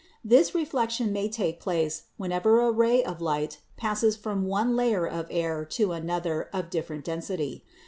This reflection may take place whenever a ray of light passes from one layer of air to another of different density.